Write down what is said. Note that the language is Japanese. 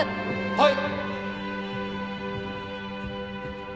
はい。